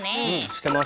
してます。